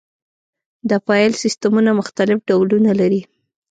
د فایل سیستمونه مختلف ډولونه لري.